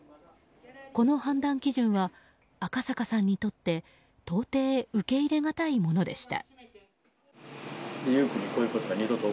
この判断基準は赤阪さんにとって到底受け入れがたいものでした。